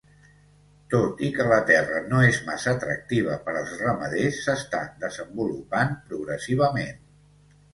Tot i que la terra no és massa atractiva per als ramaders, s'està desenvolupant progressivament.